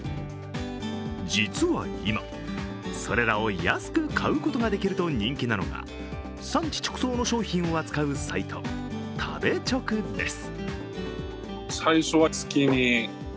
実は今、それらを安く買うことができると人気なのが産地直送の商品を扱うサイト食べチョクです。